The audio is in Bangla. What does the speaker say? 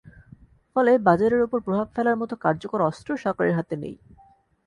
ফলে বাজারের ওপর প্রভাব ফেলার মতো কার্যকর অস্ত্র সরকারের হাতে নেই।